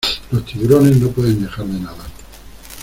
Los tiburones no pueden dejar de nadar.